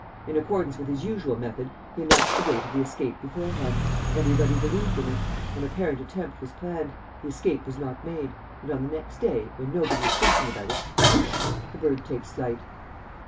In accordance with his usual method, he announced the date of the escape beforehand; everybody believed in it; an apparent attempt was planned; the escape was not made; and, on the next day, when nobody is thinking about it whoosh! the bird takes flight."